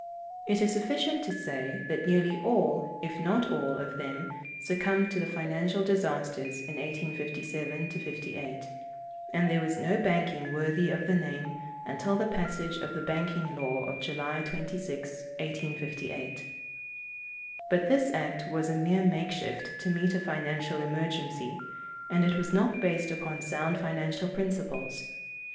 It is sufficient to say that nearly all, if not all, of them succumbed to the financial disasters in 1857 58, and there was no banking worthy of the name until the passage of the banking law of July 26, 1858. But this act was a mere makeshift to meet a financial emergency, and it was not based upon sound financial principles.